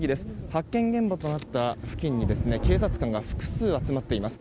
発見現場となった付近に警察官が複数集まっています。